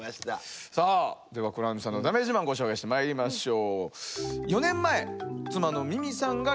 さあではクラウンジさんのだめ自慢ご紹介してまいりましょう。